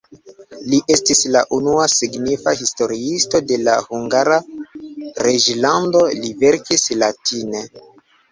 Li estis la unua signifa historiisto de Hungara reĝlando, li verkis latine.